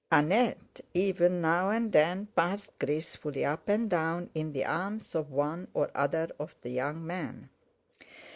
Annette, even, now and then passed gracefully up and down in the arms of one or other of the young men.